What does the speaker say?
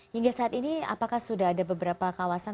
hingga saat ini apakah sudah ada beberapa kawasan